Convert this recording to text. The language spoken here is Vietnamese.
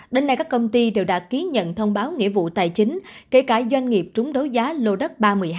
đến nay các công ty đều đã ký nhận thông báo nghĩa vụ tài chính kể cả doanh nghiệp trúng đấu giá lô đất ba mươi hai